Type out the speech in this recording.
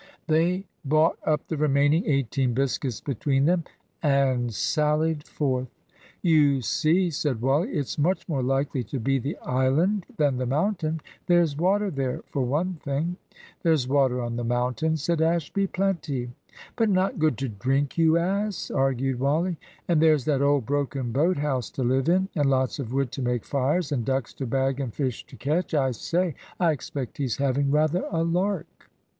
They bought up the remaining eighteen biscuits between them, and sallied forth. "You see," said Wally, "it's much more likely to be the island than the mountain. There's water there, for one thing." "There's water on the mountain," said Ashby; "plenty." "But not good to drink, you ass!" argued Wally. "And there's that old broken boat house to live in, and lots of wood to make fires, and ducks to bag and fish to catch. I say! I expect he's having rather a lark."